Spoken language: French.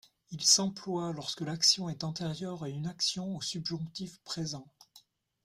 Il s'emploie lorsque l'action est antérieure à une action au subjonctif présent.